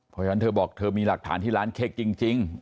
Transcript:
เพราะฉะนั้นเธอบอกเธอมีหลักฐานที่ร้านเค้กจริง